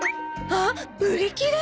ああっ売り切れ！？